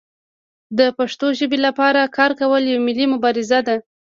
د پښتو ژبې لپاره کار کول یوه ملي مبارزه ده.